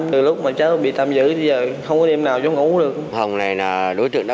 từ lúc mà cháu bị tâm dữ thì giờ không có đêm nào cháu ngủ được